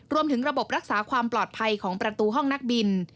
รวมถึงระบบรักษาความปลอดภัยของประตูห้องนักบิน